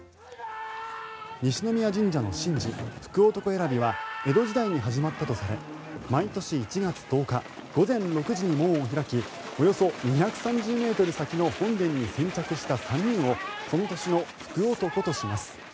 西宮神社の神事、福男選びは江戸時代に始まったとされ毎年１月１０日午前６時に門を開きおよそ２３０ｍ先の本殿に先着した３人をその年の福男とします。